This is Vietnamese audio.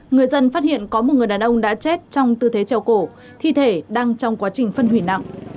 người dân phát hiện có một người đàn ông đã chết trong tư thế trầu cổ thi thể đang trong quá trình phân hủy nặng